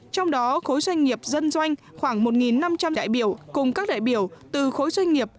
trong đó khối doanh nghiệp dân doanh khoảng một năm trăm linh đại biểu cùng các đại biểu từ khối doanh nghiệp